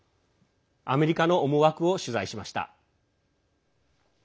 アメリカの思惑を取材しました。